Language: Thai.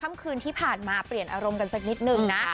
ค่ำคืนที่ผ่านมาเปลี่ยนอารมณ์กันสักนิดหนึ่งนะ